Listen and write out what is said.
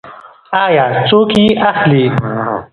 آیا څوک یې اخلي؟